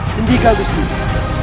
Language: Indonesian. sendika agus nisa